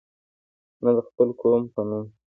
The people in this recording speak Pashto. نه د خپل قوم په نوم.